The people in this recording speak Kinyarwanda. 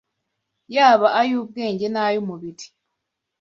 yaba ay’ubwenge n’ay’umubiri.